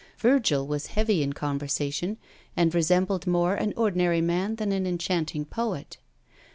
Virgil was heavy in conversation, and resembled more an ordinary man than an enchanting poet.